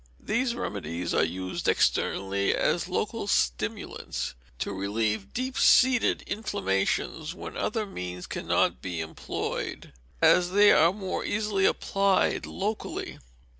These remedies are used externally as local stimulants, to relieve deep seated inflammations when other means cannot he employed, as they are more easily applied locally.